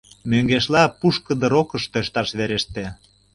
Мӧҥгешла пушкыдо рокыш тӧршташ вереште.